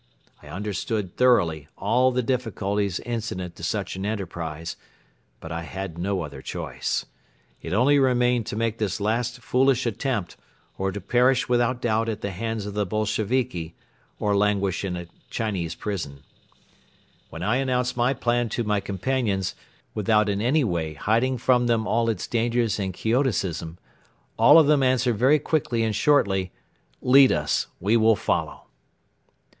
I understood thoroughly all the difficulties incident to such an enterprise but I had no other choice. It only remained to make this last foolish attempt or to perish without doubt at the hands of the Boisheviki or languish in a Chinese prison. When I announced my plan to my companions, without in any way hiding from them all its dangers and quixotism, all of them answered very quickly and shortly: "Lead us! We will follow."